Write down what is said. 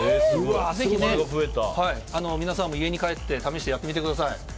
ぜひ皆さんも家に帰って試してやってみてください。